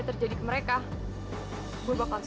generation itu akan telfon awas